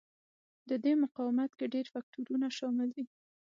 د دې مقاومت کې ډېر فکټورونه شامل دي.